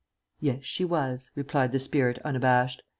"Yes, she was," replied the spirit unabashed.